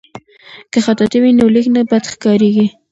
که خطاطي وي نو لیک نه بد ښکاریږي.